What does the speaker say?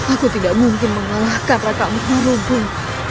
aku tidak mungkin mengalah karena kamu merubuh